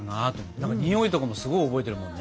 何かにおいとかもすごい覚えてるもんね。